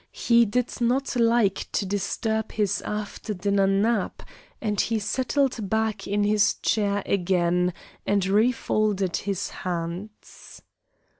He did not like to disturb his after dinner nap, and he settled back in his chair again and refolded his hands.